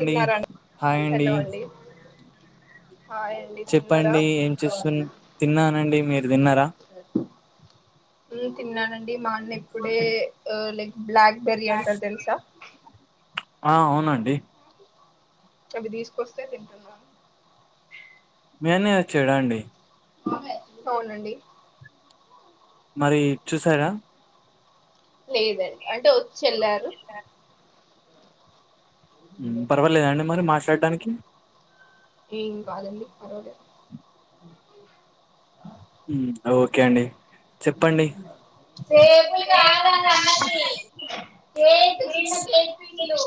అండి హలో అండి హాయ్ అండి తిన్నారా చెప్పండి ఏం చేస్తున్ తిన్నానండి మీరు తిన్నారా ఉమ్ తిన్నానండి మా అన్న ఎప్పుడే లైక్ బ్లాక్ బెర్రీ అంటారు తెలుసా ఆ అవునండి అవి తీసుకొస్తే తింటున్నాను మి అన్నయ్య వచ్చాడా అండి అవునండి మరి చూసారా లేదండి అంటే వచ్చి వెళ్లారు త పర్వాలేదండి మరి మాట్లాడడానికి ఏం కాదండి పర్వాలేదు ఓకే అండి చెప్పండి టేబుల్ కార్ అనన్నది కేక్ చిన్న కేక్ పీసులు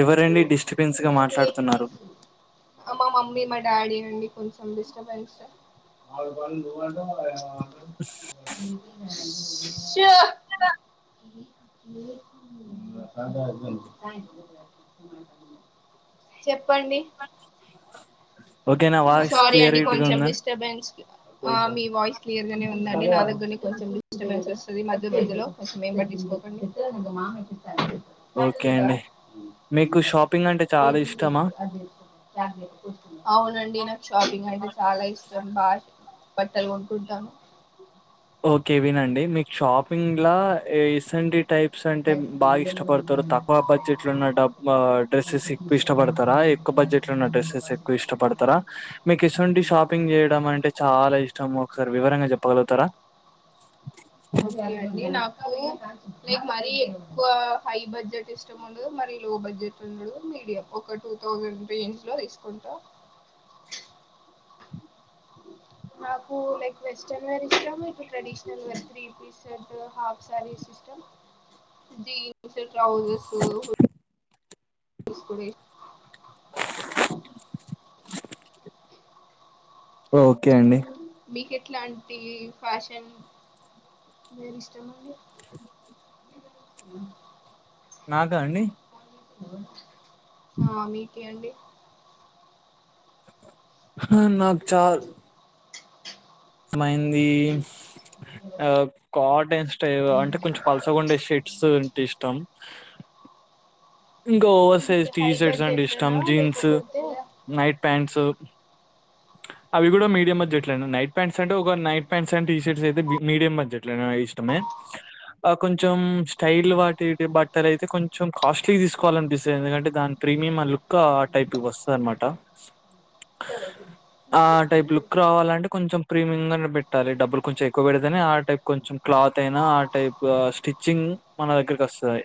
ఎవరండి డిస్టబెన్స్ గా మాట్లాడుతున్నారు మా మమ్మీ మా డాడీ అండి కొంచెం డిస్టబెన్స్ ష్ దా అ చెప్పండి ఓకేనా వాయిస్ సారీ అండి క్లియరిటీగా కొంచెం ఉందా డిస్టర్బెన్స్ కి ఆ మీ వాయిస్ క్లియర్ గానే ఉందండి నా దగ్గరని కొంచెం డిస్టర్బెన్స్ వస్తుంది మధ్య మధ్యలో అవేం పట్టించుకోకండి హ్యాల్దవా ఓకే అండి మీకు షాపింగ్ అంటే చాలా ఇష్టమా అద అవునండి నాకు షాపింగ్ అంటే చాలా ఇష్టం బాగ్ బట్టలు కొనుకుంటా ఓకే వినండి మీకు షాపింగ్ల ఇసంటి టైప్ ప్స్ అంటే బాగా ఇష్టపడతారు తక్కువ బడ్జెట్లు ఉన్న డబ్ డ్రెస్సెస్ ఎక్కువ ఇష్టపడతారా ఎక్కువ బడ్జెట్ లో ఉన్న డ్రెస్సెస్ ఎక్కువ ఇష్టపడతారా మీకు ఇసువండి షాపింగ్ చేయడం అంటే చాలా ఇష్టం ఒకసారి వివరంగా చెప్పగలుగుతారా ఒకే అండి నాకు లైక్ మరి ఎక్కువ హై బడ్జెట్ ఇష్టం ఉండదు మరి లో బడ్జెట్ మీడియం ఒక టూ థౌజండ్ రేంజ్ లో తీసుకుంటా నాకు లైక్ వెస్టర్న్ వేర్ ఇష్టం ఇంక traditional wear three piece half saris ఇష్టం జీన్స్ ట్రౌజర్స్ తీసుకుడి ఓకే అండి మీకు ఎట్లాంటి ఫ్యాషన్ వేర్ ఇష్టమండి అ నాకా అండి ఆ మీకే అండి హ నాకు చాల్ అమైందీ ఆ కాటన్ స్టైల్ అంటే కొంచెం పల్సగుండే షిట్ ట్స్ లంటే ఇష్టం ఇంకా over okay size high T shirts అంటే ఇష్టం బడ్జెట్లోనా జీన్సు లేకపోతే నైట్ ప్యాంట్సు అవి కూడా మీడియం మధ్య ఎట్లను నైట్ ప్యాంట్స్ అంటే ఒకోరు నైట్ ప్యాంట్స్ అండ్ టీషర్ట్స్ అయితే బి మీడియం మద్యట్లనూ ఇష్టమే ఆ కొంచెం స్టైల్ వాటిటి బట్టలు అయితే కొంచెం కాస్ట్ పెట్టి తీసుకోవాలనిపిస్తయ్ ఎందుకంటే దాని ప్రీమియం ఆ లుక్ ఆ టైప్ ఇవి వస్తాయన్మాట ఆ ఓకే టైప్ లుక్ రావాలంటే కొంచెం ప్రీమియంగానే పెట్టాలి డబ్బులు కొంచెం ఎక్కువ పెడితేనే ఆ టైప్ కొంచెం క్లాత్ అయినా ఆ టైపు స్టిచ్చింగ్ మన దగ్గరకి ఒస్తది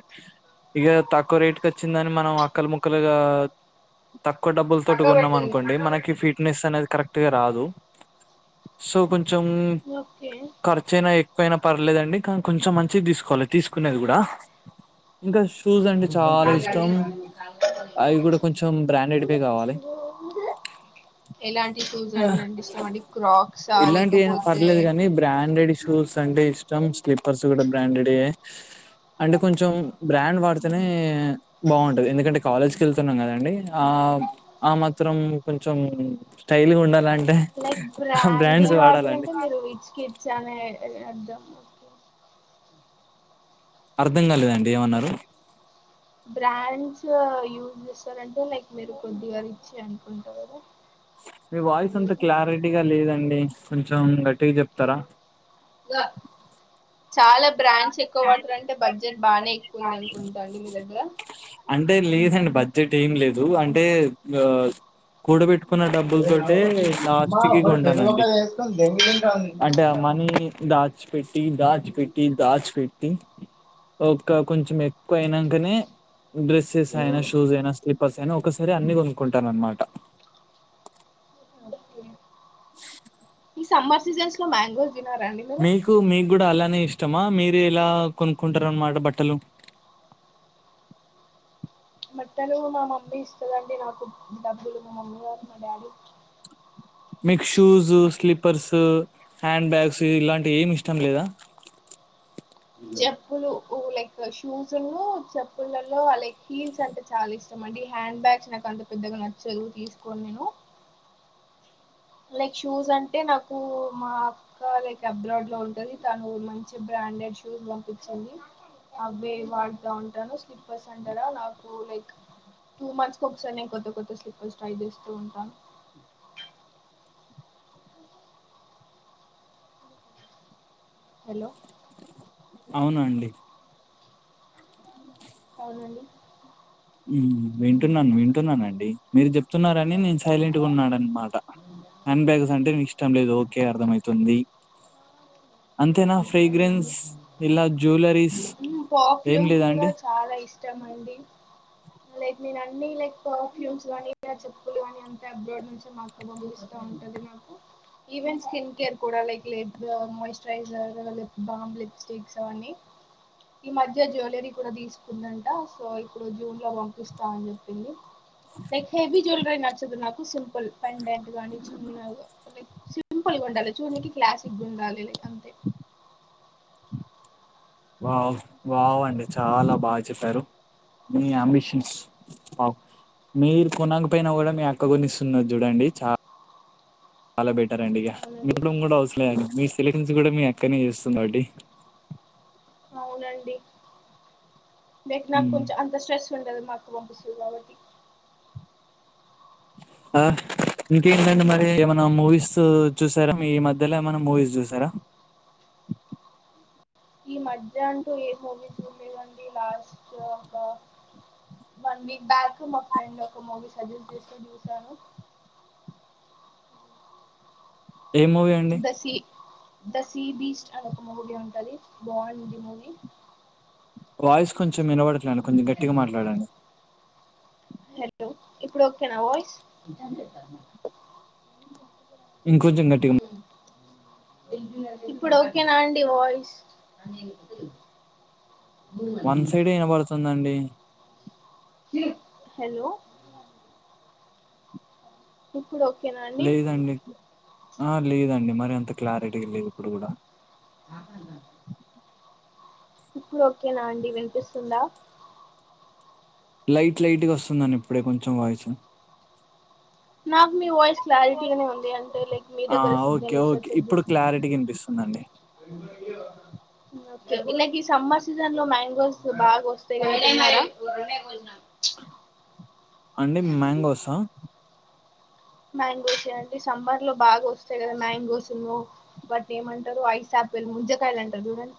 ఇగా తక్ క్కువ రేటుకొచ్చిందని మనం అక్కలు ముక్కలుగా తక్కువ డబ్బుల్ తోటి కొన్నాం అనుకోండి మనకి ఫీ ట్నెస్ అనేది కరెక్ట్గా రాదు సో కొంచెం ఓకే ఖర్చు అయినా ఎక్కువైనా పర్లేదండి కానీ కొంచెం మంచిగా తీసుకోవాలి తీసుకునేది కూడా. ఇంకా షూజ్ అండ్ అంటే చాలా ఇష్టం అవి కూడా కొంచెం బ్రాండెడ్ వే కావాలి ఎలాంటి షూస్ అంటే అంటే ఇష్టం అండి క్రాక్సా ఇలాంటివి అయినా లేకపోతే పర్లేదు కానీ బ్రాండెడ్ షూస్ అంటే ఇష్టం స్లిప్పర్స్ కూడా బ్రాండెడ్ యే అంటే కొంచెం బ్రాండ్ వాడితెనే ఏ బాగుంటది ఎందుకంటే కాలేజ్కెళ్తున్నాం కదండి ఆ ఆ మాత్రం కొంచెం స్టైల్గా ఉండాలం లైక్ బ్రాండీ వాటర్ అంటే మీరు రిచ్ కిడ్సా అనే అర్ధం అర్థం కాలేదండి ఏమన్నారు. బ్రాండ్సో యూజ్ చేస్తరంటే లేక్ మీరు కొద్దిగ రిచ్చే అనుకుంట కదా మీ వాయిస్ అంత క్లారిటీగా లేదండి కొంచెం గట్టిగ చెప్తరా ల చాలా బ్రాండ్స్ ఎక్కువ వాడతారంటే బడ్జెట్ బానే ఉందనుకుంటా అండి మీ దగ్గర అంటె లేదండి బడ్జెట్ ఏం లేదూ అంటే ఆ కూడబెట్టుకున్న డబ్బుల తోటే అమ్మా లాస్ట్ కి ఇప్పుడు ప్రతి కొంటానండి. ఒక్కరు వేసుకొని దెంగులుంటా ఉంది అంటే ఆ మనీ దాచి పెట్టీ దాచిపెట్టీ దాచి పెట్టీ ఇంకా కొంచెం ఎక్కువ అయినంకనే డ్రెస్సెస్ అయినా షూస్ అయినా స్లిపర్స్ అయినా ఒకసారే అన్ని కొనుక్కుంటా అన్మాట ఓకే ఈ సమ్మర్ సీజన్స్ లో మ్యాంగోస్ తినరా అండి మీకూ మీక్కూడా అలానే ఇష్టమా మీరు ఎలా కొనుక్కుంటార అనమాట బట్టలు బట్టలూ మా మమ్మీ ఇస్తదండి నాకు డబ్బులు మా మమ్మీ గారు మా డాడీ మీకు షూసూ స్లీపర్సూ హ్యాండ్ బ్యాగ్సూ ఇలాంటివి ఏమి ఇష్టం లేదా చెప్పులు ఊ లైక్ ఫర్ షూసూనూ చెప్పులలో లైక్ హీల్స్ అంటే చాలా ఇష్టం అండి హ్యాండ్ బ్యాగ్స్ నాకు అంత పెద్దగా నచ్చదు తీసుకోన్ నేనూ లైక్ షూస్ అంటే నాకూ మా ఇంకా లైక్ అబ్రాడ్ లో ఉంటది తనూ మంచి బ్రాండెడ్ షూస్ పంపించింది అవ్వే వాడతా ఉంటాను స్లిప్పర్స్ అంటరా నాకూ లైక్ టూ మంత్స్ ఒకసారి నేన్ కొత్త కొత్త స్లిప్పర్స్ ట్రై చేస్తూ ఉంటాను హలో అవునండి అవునండి హ్మ్ వింటున్నాన్ వింటున్నానండి మీరు చెప్తున్నారని నేను సైలెంట్ గా ఉన్నాననమాట హ్యాండ్ బ్యాగ్స్ అంటే ఇష్టం లేదు ఓకే అర్థమైతుంది అంతేనా ఫ్రేగ్రెన్స్ ఇలా జ్యువలరీస్ ఏం పర్ఫ్యూమ్ లేదా కూడా అండి చాలా ఇష్టమండి లెక్ నేను అన్ని లెక్ పర్ఫ్యూమ్స్ గాని నా చెప్పులు గానీ అంతా అబ్రాడ్ నుంచే మా బాగ ఇష్టం ఉంటది నాకు ఈవెన్ స్కిన్ కేర్ కూడా లైక్ లైట్గా మాయిస్ ట్రైజ లిప్ బామ్ లిప్స్టిక్స్ అవన్నీ ఈ మధ్య జ్యువెలరీ కూడా తీసుకుందంట సో ఇప్పుడు జూన్ లో పంపిస్తా అని చెప్పింది లైక్ హెవి జ్యువలరీ నచ్చదు నాకు సింపుల్ పెండెంట్ కానీ చిన్నగ సింపుల్గ ఉండాలి చూనీకి క్లాసిక్గా లైక్ ఉండాలి అంతే వావ్ వావ్ అండి చాలా బా చెప్పారు మీ అంబిషన్స్ వావ్ మీరు కొనక పోయిన కూడా మీ అక్క కొనిస్తున్నది చూడండి చా చాలా బెటర్ అండి ఇక అవునండి మీరు [unintelligible] కూడా అవసరం లేదండి మీ సెలెక్షన్స్ కూడా మీ అక్కనే చేస్తుందికాబట్టి అవునండి బెట్ నాక్ హ్మ్. కొంచెం అంత స్ట్రెస్ ఉండదు మా అక్క పంపిస్తుంది కాబట్టి ఆ ఇంకేటండి మరి ఏమైనా మూవీస్ చూసారా మీ ఈ మధ్యలో ఏమైనా మూవీస్ చూసారా ఈ మధ్య అంటు ఏ మూవీస్ చూడలేదు అండీ ఈ లాస్ట్ లో వన్ వీక్ బ్యాక్ మా ఫ్రెండ్ ఒక మూవీ సజెస్ట్ చేసింది చూసాను ఏ movie um దసి the sea beast అని ఒక మూవీ ఉంటది బాగుంది మూవీ వాయిస్ కొంచెం వినబడటలే కొంచెం గట్టిగా మాట్లాడండి హలో ఇప్పుడు ఒకేనా వాయిస్ ఇంకొంచెం గ ఇప్పుడు ఓకేనా అండి వాయిస్ మెంతుల్ వన్ సైడే ఇనబడుతుందండి హలో ఇప్పుడు ఓకేనా అండి లేదండి ఆ లేదండి మరి అంత క్లారిటీగా లేదు ఇప్పుడు కూడా ఆ ఇప్పుడు ఓకేనా అండి వినిపిస్తుందా లైట్ లైట్ గా వస్తుందండి ఇప్పుడే కొంచెం వాయిస్ నాకు మీ వాయిస్ క్లారిటీగానే ఉంది అంటే లక్ మీ ఆ దగ్గర సిగ్నల్ ఓకే ఒక్కసారి ఓకే చెక్ ఇప్పుడు చేస్ క్లారిటీగా వినిపిస్తుందండి ఉన్నా వీళ్ళకి సమ్మర్ సీజన్ లో మ్యాంగోస్ బాగా వస్తాయి తిన్నారా అండి మ్యాంగోసా మ్యాంగోస్ ఏ అంటే సమ్మర్ లో బాగా వస్తాయి కదా మ్యాంగోసును వాటిని ఏమంటారు ఐస్ ఆపిల్ ముంజకాయలు అంటారు చూడం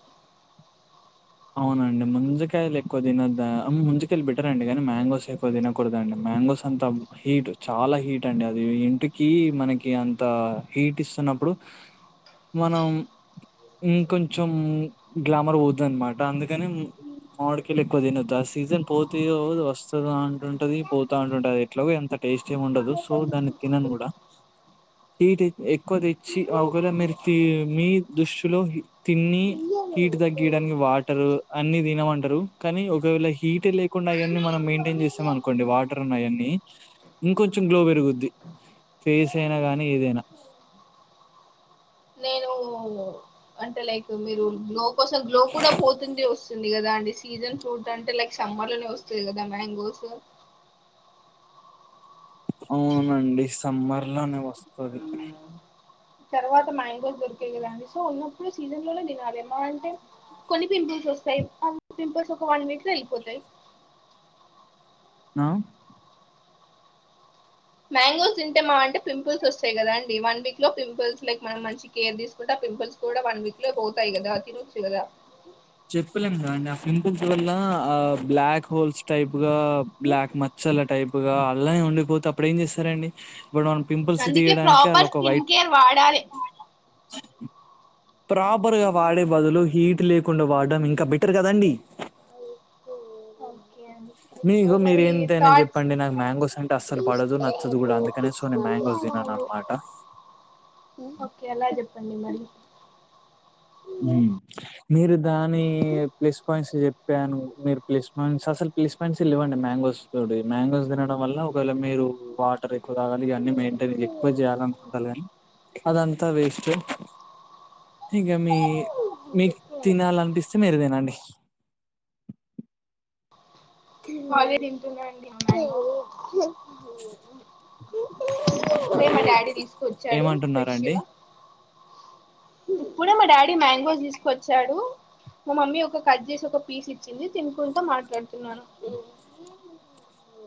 అవునండి ముంజకాయలు ఎక్కువ తినొద్ద ముంజకాయలు బెటర్ అండి కానీ మ్యాంగోస్ ఎక్కువ తినకూడదండి మ్యాంగోస్ అంతం హీట్ చాలా హీట్ అండి అది ఇంటికి మనకి అంత హీట్ ఇస్తున్నప్పుడు మనం ఇంకొంచెం గ్లామర్ పోతది అనమా ట అందుకని మామిడికాయలు ఎక్కువ తినొద్దు ఆ సీజన్ పోతే వస్తది అంటుంటది పోతా అంటుంటది ఎట్లాగో అంత టేస్ట్ ఏం ఉండదు సో దాన్ని తినను కూడా టీ ఎక్కువ తెచ్చి ఆ ఒక వేళ మీరు మీ దుష్టిలో తిన్నీ హీటు తగ్గియడానికి వా రు అన్ని తినమంటారు కానీ ఒకవేళ హీట్ లేకుండా అవన్నీ మనం మెయింటైన్ చేసాము అను కొండి వాటర్ ఉన్నాయన్ని ఇంకొంచెం గ్లో పెరుగుద్ది ఫేస్ అయినా గానీ ఏదైనా నేను అంటే లైక్ మీరు గ్లో కోసం గ్లో కూడా పోతుంది కదా అండి సీజన్ ఫ్రూట్ అంటే లైక్ సమ్మర్ లోనే వస్తుంది కదా మ్యాంగోస్ అవునండి సమ్మర్ లోనే వస్తది తర్వాత మ్యాంగోస్ దొరికాయ్ కదాండి సో ఉన్నప్పుడు సీజన్ లోనే తినాలి మా అంటే కొన్ని పింపుల్స్ వస్తాయి అ పింపుల్స్ ఒక వన్ వీక్ లో వెళ్ళిపోతాయి అ మ్యాంగోస్ తింటే మా అంటే పింపుల్స్ వస్తాయి కదా అండి వన్ వీక్ లో పింపుల్స్ లైక్ మనం కేర్ తీసుకుంటే ఆ పింపుల్స్ కూడా వన్ వీక్ లో పోతాయి కదా తినొచ్చు కదా చెప్పలేం కదా అండి పింపుల్స్ వల్ల ఆ బ్లాక్ హోల్స్ టైప్ గా బ్లాక్ మచ్చల టైప్ గా అలానే ఉండిపోతే అప్పుడు ఏం చేస్తారండి ఇప్పుడు పింపుల్స్ అందుకే తీయడానికి ఆన్ల ప్రాపర్ ఒక స్కిన్ వైట్ కేర్ వాడాలి ప్రాపర్గా వాడే బదులు హీట్ లే కుండా వాడటం ఇంకా బెటర్ కదండి ఒకే అండి మీగో మీరు మరి ఏంత అనే థాట్స్ చెప్పండి నాకు మ్యాంగోస్ అంటే అసలు పడదు నచ్చదు కూడా అందుకనే సో నేను మ్యాంగోస్ తినను ట ఓకే ఎలా చెప్పండి మరి మీరు దాని ప్లస్ పాయింట్స్ చె పాను మీరు ప్లేస్ పాయింట్స్ అసలు ప్లస్ పాయింట్స్ ఇవ్వండి మ్యాంగోస్ తోటి మ్యాంగోస్ తినడం వల్ల ఒకవేళ మీరు వాటర్ ఎక్కువ తాగాలి ఇవీ మెయింటైన్ ఎక్కువ చేయాల అనుకుంటాన్లు కాగానీ అదంతా వేస్ట్ ఇక మీ మీకు తినాలనిపిస్తే మీరు తినండి ఇవాళే తింటున్నాండి మాంగో ఇప్పుడే మా డాడీ తీసుకొచ్చాడు ఏమంటున్నారండి? ఫ్రెష్గా ఇప్పుడే మా డాడీ మ్యాంగోస్ తీసుకొచ్చాడు మా మమ్మీ ఒక కట్ చేసి ఒక పీస్ ఇచ్చింది తినుకుంటు మాట్లాడుతున్నా ఉమ్